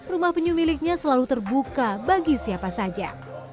rumah penyu miliknya selalu terbuka bagi siapa saja